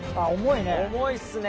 重いっすね。